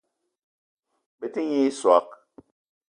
Bete nyi i soag.